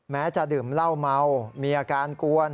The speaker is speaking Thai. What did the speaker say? จะดื่มเหล้าเมามีอาการกวน